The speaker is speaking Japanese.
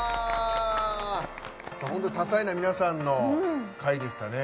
多才な皆さんの回でしたね